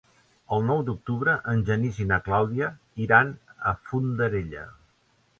El nou d'octubre en Genís i na Clàudia iran a Fondarella.